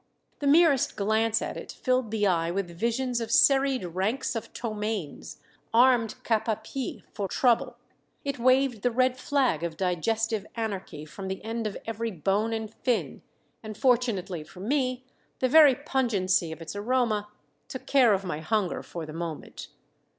The merest glance at it filled the eye with visions of serried ranks of ptomaines, armed cap à pie for trouble. It waved the red flag of digestive anarchy from the end of every bone and fin, and fortunately for me the very pungency of its aroma took care of my hunger for the moment.